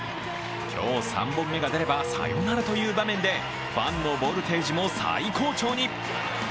今日、３本目が出ればサヨナラという場面でファンのボルテージも最高潮に。